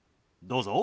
どうぞ。